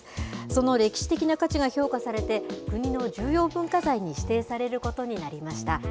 その歴史的な価値が評価されて、国の重要文化財に指定されることになりました。